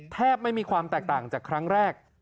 แทบไม่มีความแตกต่างจากครั้งแรก